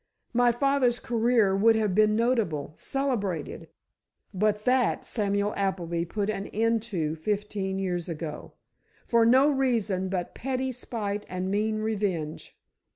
My father's career would have been notable, celebrated; but that Samuel Appleby put an end to fifteen years ago, for no reason but petty spite and mean revenge!